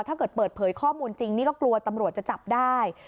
ถ้าเกิดเปิดเผยข้อมูลจริงนี่ก็กลัวตำรวจจะจับได้